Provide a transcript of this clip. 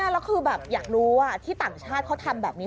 แล้วคือแบบอยากรู้ว่าที่ต่างชาติเขาทำแบบนี้